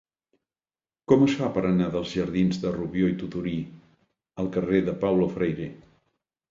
Com es fa per anar dels jardins de Rubió i Tudurí al carrer de Paulo Freire?